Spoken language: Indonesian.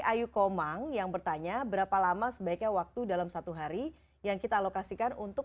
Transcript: ayu komang yang bertanya berapa lama sebaiknya waktu dalam satu hari yang kita alokasikan untuk